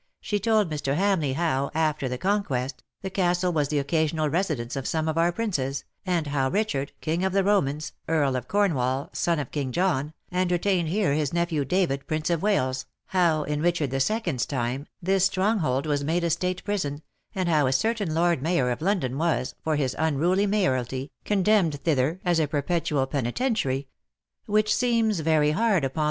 '''' She told Mr. Hamleigh how, after the Conquest, the castle was the occasional residence of some of our Princes, and how Richard, King of the Romans, Earl of Cornwall, son of King John, entertained here his nephew David, Prince of Wales, how, in Richard the Second^s time, this stronghold was made a State prison, and how a certain Lord Mayor of London was, for his unruly mayoralty, condemned thither as a perpetual penitentiary; which seems very hard upon the ^'tintagel^ half in sea, and half on land."